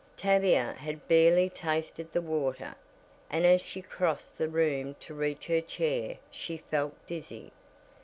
Tavia had barely tasted the water, and as she crossed the room to reach her chair, she felt dizzy.